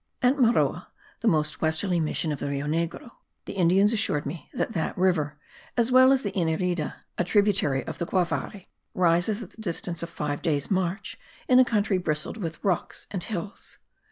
At Maroa, the most westerly mission of the Rio Negro, the Indians assured me that that river as well as the Inirida (a tributary of the Guavare) rises at the distance of five days' march, in a country bristled with hills and rocks.